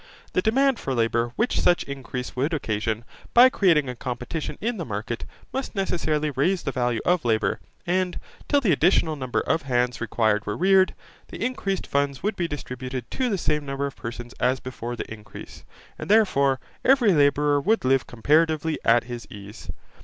The demand for labour which such increase would occasion, by creating a competition in the market, must necessarily raise the value of labour, and, till the additional number of hands required were reared, the increased funds would be distributed to the same number of persons as before the increase, and therefore every labourer would live comparatively at his ease.